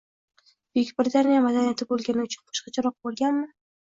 Buyuk Britaniya madaniyati boʻlgani uchun boshqacharoq boʻlganmi?